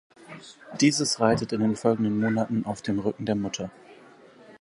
Dieses reitet in den folgenden Monaten auf dem Rücken der Mutter.